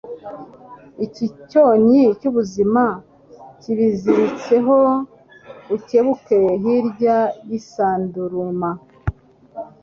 icyi cyonnyi cy'ubuzima kibiziritsehoukebuke hirya y'isanduruma